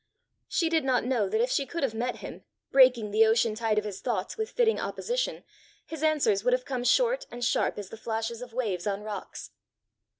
She did not know that if she could have met him, breaking the ocean tide of his thoughts with fitting opposition, his answers would have come short and sharp as the flashes of waves on rocks.